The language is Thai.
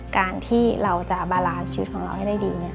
การที่เราจะบาลานชีวิตของเราให้ได้ดี